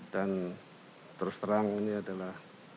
dan terus terang ini adalah